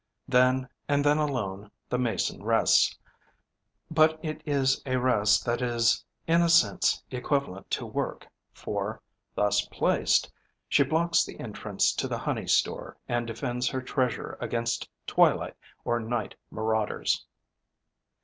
Then and then alone the Mason rests; but it is a rest that is in a sense equivalent to work, for, thus placed, she blocks the entrance to the honey store and defends her treasure against twilight or night marauders.